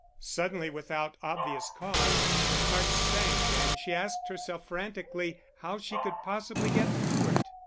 Suddenly, without obvious cause, her heart sank and she asked herself frantically how she could possibly get through it.